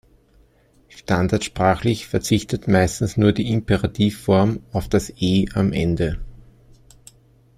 Standardsprachlich verzichtet meistens nur die Imperativform auf das E am Ende.